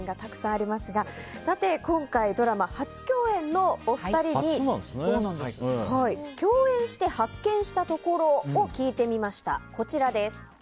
さて、今回ドラマ初共演のお二人に共演して発見したところを聞いてみました。